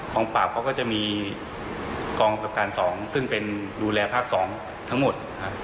ฟังปราบเขาก็จะมีกองแบบการสองซึ่งเป็นดูแลภาคสองทั้งหมด